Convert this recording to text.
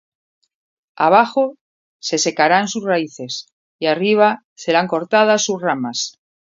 Abajo se secarán sus raíces, Y arriba serán cortadas sus ramas.